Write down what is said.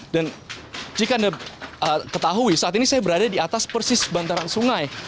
dan jika anda ketahui saat ini saya berada di atas persis bantaran sungai